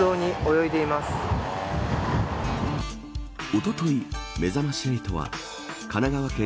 おととい、めざまし８は神奈川県